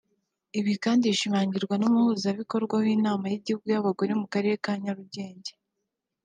Ibi kandi bishimangirwa n’umuhuzabikorwa w’Inama y’Igihugu y’Abagore mu Karere ka Nyurugenge